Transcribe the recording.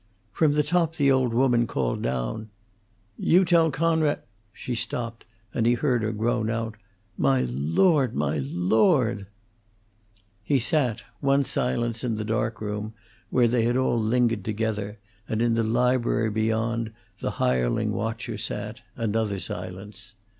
From the top the old woman called down, "You tell Coonrod " She stopped, and he heard her groan out, "My Lord! my Lord!" He sat, one silence in the dining room, where they had all lingered together, and in the library beyond the hireling watcher sat, another silence.